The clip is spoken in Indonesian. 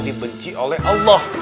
dibenci oleh allah